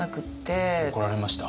怒られました？